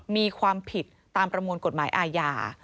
มีความผิดตามประมวลกฎหมายอาญา